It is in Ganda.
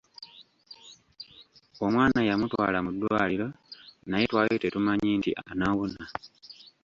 Omwana yamutwala mu ddwaliro naye twali tetumanyi nti anaawona.